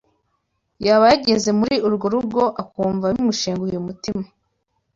yaba yageze muri urwo rugo, akumva bimushenguye umutima